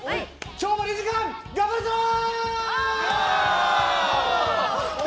今日も２時間、頑張るぞー！